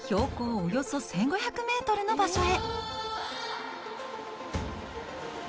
およそ１５００メートルの場所へ。